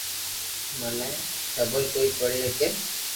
مني خبر ڪوئي پڙي ھگي